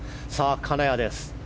金谷です。